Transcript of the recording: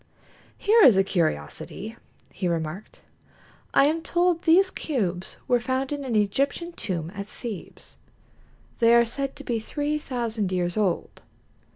"Here is a curiosity," he remarked. "I am told these cubes were found in an Egyptian tomb at Thebes. They are said to be three thousand years old."